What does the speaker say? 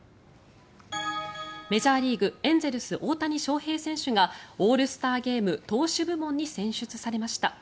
メジャーリーグ、エンゼルス大谷翔平選手がオールスターゲーム投手部門に選出されました。